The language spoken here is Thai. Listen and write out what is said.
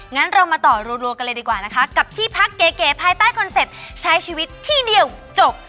งั้นเรามาต่อรัวกันเลยดีกว่านะคะกับที่พักเก๋ภายใต้คอนเซ็ปต์ใช้ชีวิตที่เดียวจบ